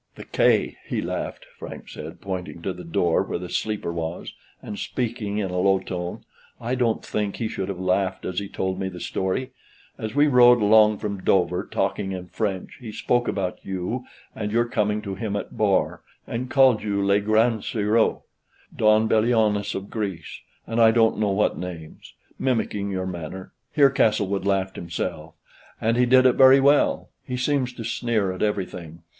"The K , HE laughed," Frank said, pointing to the door where the sleeper was, and speaking in a low tone. "I don't think he should have laughed as he told me the story. As we rode along from Dover, talking in French, he spoke about you, and your coming to him at Bar; he called you 'le grand serieux,' Don Bellianis of Greece, and I don't know what names; mimicking your manner" (here Castlewood laughed himself) "and he did it very well. He seems to sneer at everything.